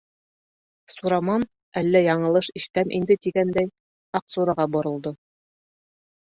Сураман, әллә яңылыш ишетәм инде тигәндәй, Аҡсураға боролдо.